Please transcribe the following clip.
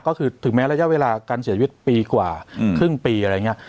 ก็คือถึงแม้ระยะเวลาการเสียชีวิตปีกว่าครึ่งปีอะไรอย่างนี้